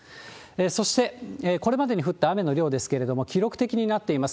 そして、これまでに降った雨の量ですけれども、記録的になっています。